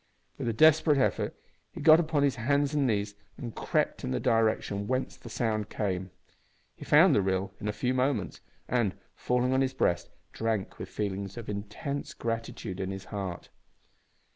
With a desperate effort he got upon his hands and knees, and crept in the direction whence the sound came. He found the rill in a few moments, and, falling on his breast, drank with feelings of intense gratitude in his heart.